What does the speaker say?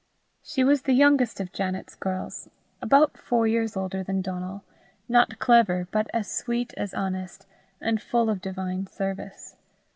She was the youngest of Janet's girls, about four years older than Donal, not clever, but as sweet as honest, and full of divine service.